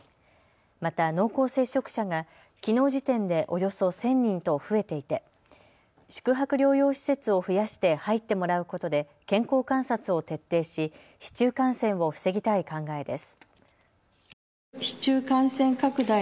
また濃厚接触者がきのう時点でおよそ１０００人と増えていて宿泊療養施設を増やして入ってもらうことで健康観察を徹底し市中感染を防ぎたい考えです。